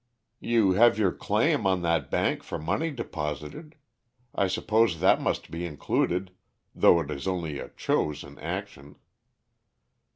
"You have your claim on that bank for money deposited. I suppose that must be included, though it is only a chose in action."